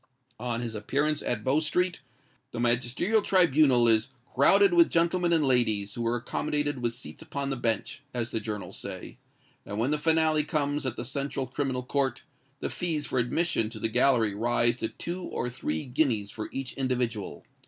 On his appearance at Bow Street, the magisterial tribunal is "crowded with gentlemen and ladies, who were accommodated with seats upon the bench," as the journals say; and when the finale comes at the Central Criminal Court, the fees for admission to the gallery rise to two or three guineas for each individual.